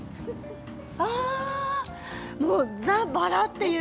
ああ、もうザ・バラっていう。